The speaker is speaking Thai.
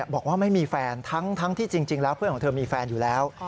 บอกว่าไม่มีแฟนทั้งที่จริงแล้วเพื่อนของเธอมีแฟนอยู่แล้ว